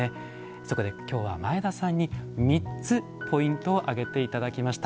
そこで、きょうは前田さんに３つポイントを上げていただきました。